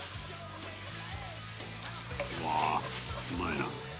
「うわあうまいな」